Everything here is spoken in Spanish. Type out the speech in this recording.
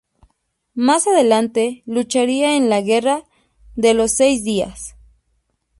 Más adelante lucharía en la guerra de los seis días.